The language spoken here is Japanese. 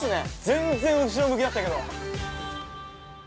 全然後ろ向きだったけど。